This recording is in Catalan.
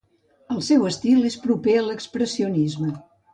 El seu estil és proper a l'expressionisme.